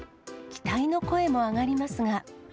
期待の声も上がりますが。